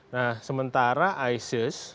nah sementara isis